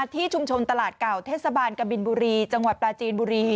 ที่ชุมชนตลาดเก่าเทศบาลกบินบุรีจังหวัดปลาจีนบุรี